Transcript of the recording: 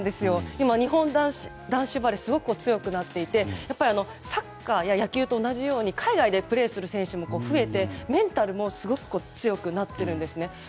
今、日本男子バレーすごく強くなっていてやっぱり、サッカーや野球と同じように海外でプレーする選手も増えてメンタルもすごく強くなっているんですね。